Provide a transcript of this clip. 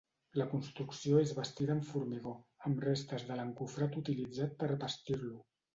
La construcció és bastida amb formigó, amb restes de l'encofrat utilitzat per bastir-lo.